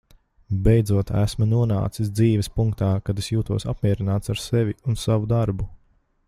Beidzot esmu nonācis dzīves punktā, kad es jūtos apmierināts ar sevi un savu darbu.